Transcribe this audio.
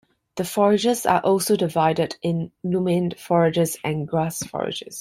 The Forages are also divided in legume forages and grass forages.